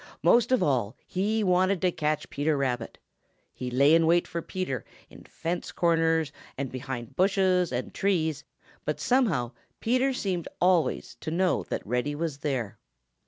Most of all, he wanted to catch Peter Rabbit. He lay in wait for Peter in fence corners and behind bushes and trees, but somehow Peter seemed always to know that Reddy was there.